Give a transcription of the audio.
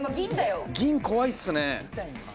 銀、怖いっすね。